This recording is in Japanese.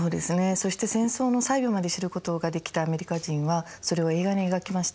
そして戦争の細部まで知ることができたアメリカ人はそれを映画に描きました。